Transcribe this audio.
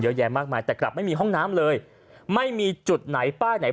เยอะแยะมากมายแต่กลับไม่มีห้องน้ำเลยไม่มีจุดไหนป้ายไหน